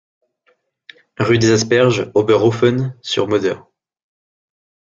Rue des Asperges, Oberhoffen-sur-Moder